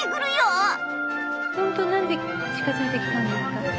本当何で近づいてきたんですか？